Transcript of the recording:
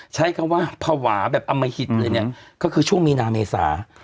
ใช้คำว่าภาวะแบบอมหิตเลยเนี่ยก็คือช่วงมีนาเมษา